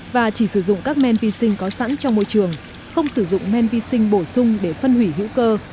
và chỉ sử dụng các men vi sinh có sẵn trong môi trường không sử dụng men vi sinh bổ sung để phân hủy hữu cơ